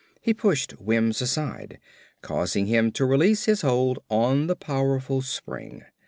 He pushed Wims aside, causing him to release his hold on the powerful spring.